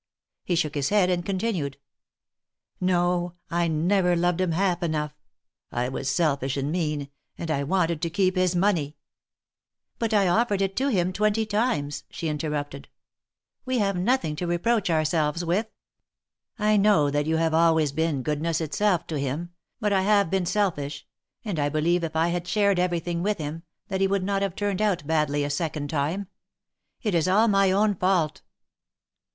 He shook his head, and continued: "No, I never loved him half enough. I was selfish and mean, and I wanted to keep his money —" THE MARKETS OF PARIS. 307 " But I offered it to him twenty times," she interrupted, have nothing to reproach ourselves with." I know that you have always been goodness itself to him, but I have been selfish, and I believe if I had shared everything with him, that he would not have turned out badly a second time. It is all my own fault!"